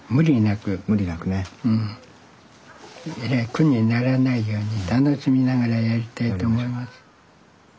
苦にならないように楽しみながらやりたいと思います。